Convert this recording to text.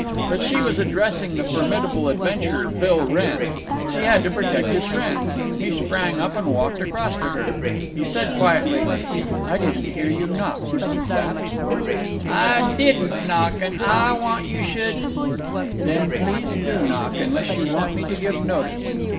But she was addressing the formidable adventurer, Bill Wrenn. He had to protect his friends. He sprang up and walked across to her. He said, quietly, "I didn't hear you knock, Mrs. Zapp." "Ah didn't knock, and Ah want you should—" "Then please do knock, unless you want me to give notice."